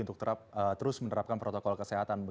untuk terus menerapkan protokol kesehatan